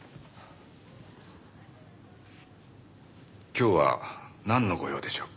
今日はなんのご用でしょう？